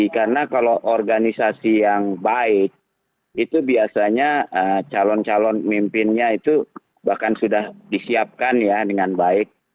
karena kalau organisasi yang baik itu biasanya calon calon mimpinnya itu bahkan sudah disiapkan ya dengan baik